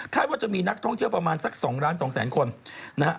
ว่าจะมีนักท่องเที่ยวประมาณสัก๒ล้าน๒แสนคนนะฮะ